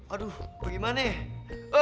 aduh bagaimana ya